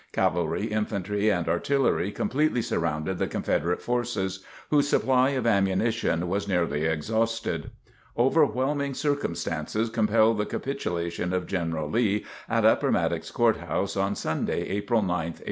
Cavalry, infantry and artillery completely surrounded the Confederate forces, whose supply of ammunition was nearly exhausted. Overwhelming circumstances compelled the capitulation of General Lee at Appomattox Court House, on Sunday April 9th, 1865.